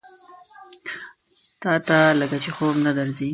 تاته لکه چې خوب نه درځي؟